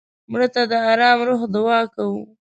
مړه ته د ارام روح دعا کوو